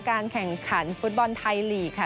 การแข่งขันฟุตบอลไทยลีกค่ะ